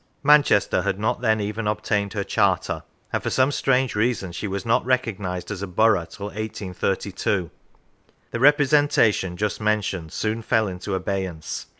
Manchester had not then even obtained her charter, and for some strange reason she was not recognised as a borough till 1832. The representation just mentioned soon fell into abeyance.